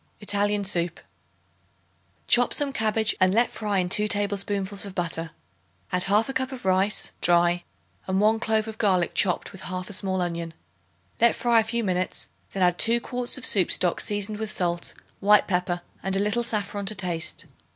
Italian Soup. Chop some cabbage and let fry in 2 tablespoonfuls of butter; add 1/2 cup of rice (dry) and 1 clove of garlic chopped with 1/2 small onion. Let fry a few minutes; then add 2 quarts of soup stock seasoned with salt, white pepper and a little saffron to taste.